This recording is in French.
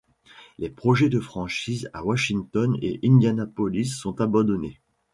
Les projets de franchises à Washington et Indianapolis sont abandonnés.